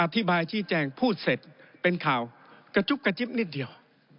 ชี้แจงพูดเสร็จเป็นข่าวกระจุ๊บกระจิ๊บนิดเดียว